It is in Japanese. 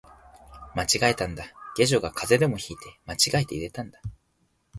間違えたんだ、下女が風邪でも引いて間違えて入れたんだ